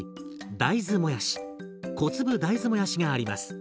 大豆もやし小粒大豆もやしがあります。